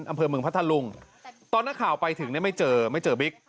อำเภอเมืองพัทธลุงตอนนักข่าวไปถึงเนี่ยไม่เจอไม่เจอบิ๊ก